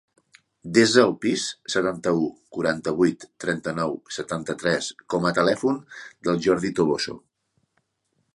Desa el sis, setanta-u, quaranta-vuit, trenta-nou, setanta-tres com a telèfon del Jordi Toboso.